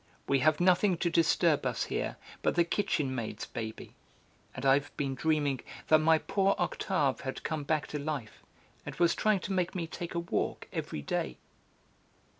We have nothing to disturb us here but the kitchen maid's baby. And I've been dreaming that my poor Octave had come back to life, and was trying to make me take a walk every day!"